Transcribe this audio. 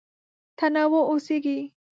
تنوع اوسېږي.